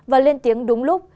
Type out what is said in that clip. và lên tiếng đúng lúc